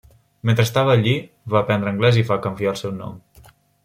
Mentre estava allí, va aprendre anglès i va canviar el seu nom.